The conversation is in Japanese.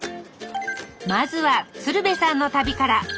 まずは鶴瓶さんの旅から。